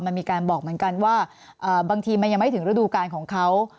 มันมีการบอกเหมือนกันว่าบางทีมันยังไม่ถึงฤดูการของเขา